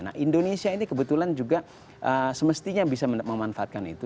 nah indonesia ini kebetulan juga semestinya bisa memanfaatkan itu